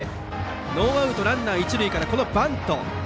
４回の表、ノーアウトランナー、一塁からバント。